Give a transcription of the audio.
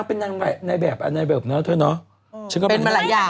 เป็นเพียงพี่น้องกัน